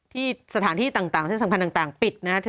ที่สถานที่ต่างที่สำคัญต่างปิดนะครับ